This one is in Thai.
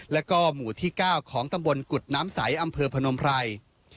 แล้วก็หมู่ที่๙ของตำบลกุฎน้ำใสอำเภอพนมไพร